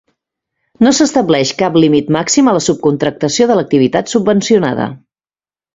No s'estableix cap límit màxim a la subcontractació de l'activitat subvencionada.